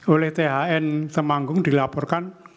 oleh thn semanggung dilaporkan